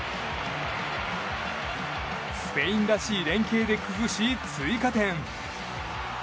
スペインらしい連係で崩し追加点。